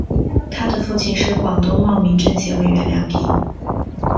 她的父亲是广东茂名政协委员梁平。